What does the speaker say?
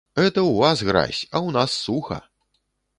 Гэта ў вас гразь, а ў нас суха!